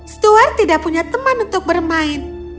stuar tidak punya teman untuk bermain